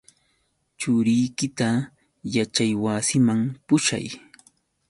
Churiykita yaćhaywasiman pushay.